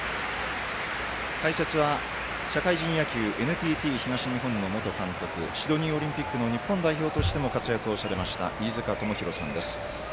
解説は社会人野球ＮＴＴ東日本の元監督、シドニーオリンピックの日本代表としても活躍されました飯塚智広さんです。